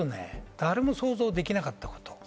誰も想像できなかった。